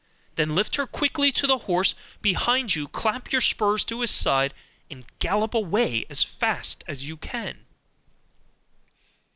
Then lift her quickly on to the horse behind you; clap your spurs to his side, and gallop away as fast as you can.